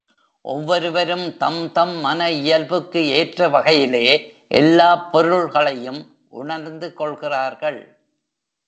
ஒவ்வொருவரும் தம் தம் மன இயல்புக்கு ஏற்ற வகையிலே எல்லாப் பொருள்களையும் உணர்ந்து கொள்கிறார்கள்.